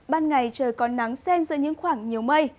ban ngày trời có nắng sen giữa những khoảng nhiều mây